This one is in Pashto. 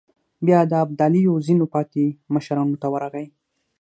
بيا د ابداليو ځينو پاتې مشرانو ته ورغی.